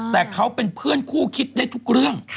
แต่เขาเป็นเพื่อนคู่คิดได้ทุกเรื่อง